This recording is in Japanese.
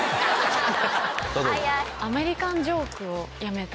アメリカンジョークをやめた。